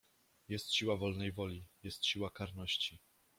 Jest siła wolnej woli, jest siła karności.